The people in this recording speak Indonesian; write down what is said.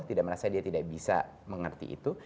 tidak merasa dia tidak bisa mengerti itu